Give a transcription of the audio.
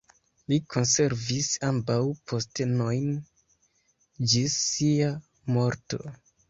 Li konservis ambaŭ postenojn ĝis sia morto.